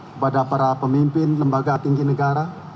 kepada para pemimpin lembaga tinggi negara